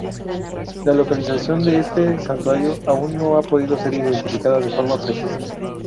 La localización de este santuario aún no ha podido ser identificada de forma precisa.